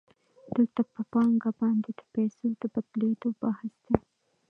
دلته په پانګه باندې د پیسو د بدلېدو بحث دی